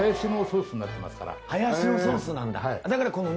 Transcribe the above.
ハヤシのソースなんだ。